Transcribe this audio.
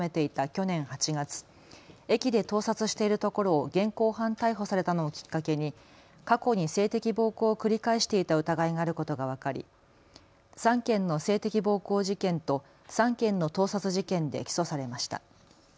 去年８月、駅で盗撮しているところを現行犯逮捕されたのをきっかけに過去に性的暴行を繰り返していた疑いがあることが分かり３件の性的暴行事件と３件の盗撮事件で起訴されました。